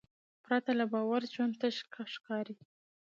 پرته له باور ژوند تش ښکاري.